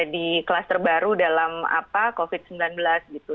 di kelas terbaru dalam covid sembilan belas gitu